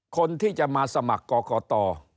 คนที่จะมาสมัครกรกต